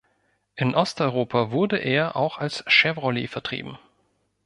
In Osteuropa wurde er auch als Chevrolet vertrieben.